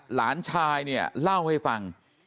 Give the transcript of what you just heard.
หลานชายเนี่ยเล่าให้ฟัง